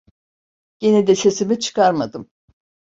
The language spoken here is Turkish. Gene de sesimi çıkarmadım…